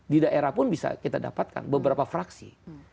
di daerah pun bisa kita dapatkan beberapa fraksi